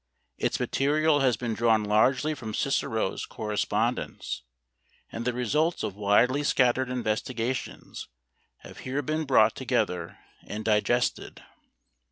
Its material has been drawn largely from Cicero's correspondence and the results of widely scattered investigations have here been brought together and digested.